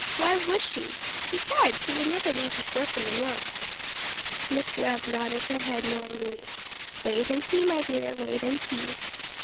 "Why should she? Besides, he would never leave his work in the north." Miss Webb nodded her head knowingly. "Wait and see, my dear; wait and see!"